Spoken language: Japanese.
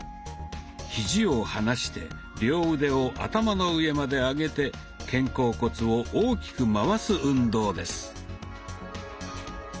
ひじを離して両腕を頭の上まで上げて肩甲骨を大きく回す運動です。